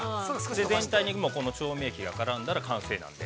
全体にこの調味液が絡んだら完成なんで。